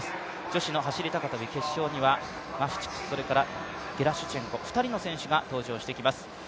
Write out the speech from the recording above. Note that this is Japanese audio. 女子の走高跳決勝にはマフチク、ゲラシュチェンコ、２人の選手が登場してきます。